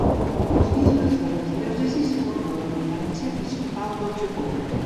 Els bisbes de les diòcesis formen la Conferència Episcopal del Japó.